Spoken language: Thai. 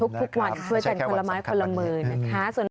ช่วยกันคนละไม้คนละหมื่น